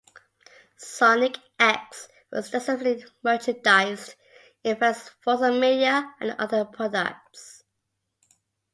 "Sonic X" was extensively merchandised in various forms of media and other products.